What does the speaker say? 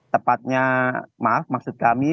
tepatnya maaf maksud kami